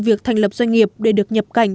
việc thành lập doanh nghiệp để được nhập cảnh